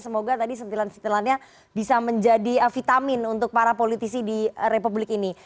semoga tadi sentilan sentilannya bisa menjadi vitamin untuk para politisi di republik ini